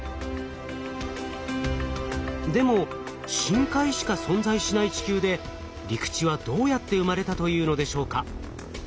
でも深海しか存在しない地球で陸地はどうやって生まれたというのでしょうか？